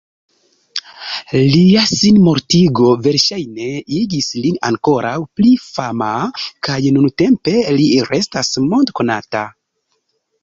Lia sinmortigo verŝajne igis lin ankoraŭ pli fama, kaj nuntempe li restas mond-konata.